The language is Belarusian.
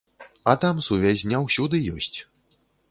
А там сувязь не ўсюды ёсць.